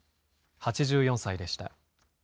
８４歳でした。